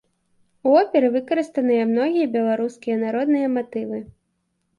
У оперы выкарыстаныя многія беларускія народныя матывы.